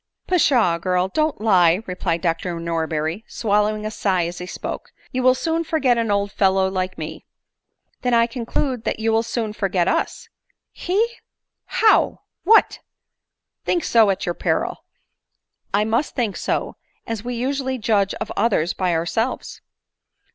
" Pshaw, girl ! don't lie," replied Dr Norberry, swallowing a sigh as he spoke ; "you will soon forget an old fellow like roe." " Then I conclude that you will soon forget us." " He ! how ! what ! think so at your peril." " I must think so, as we usually judge of others by ourselves."